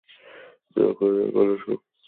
দয়া করে এখন এসব নাটক করো না।